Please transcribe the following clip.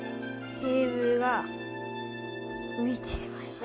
テーブルが浮いてしまいます。